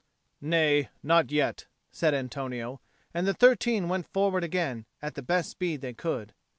"Nay, not yet," said Antonio; and the thirteen went forward again at the best speed they could.